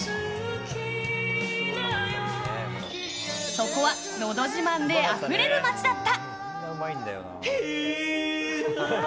そこは、のど自慢であふれる街だった。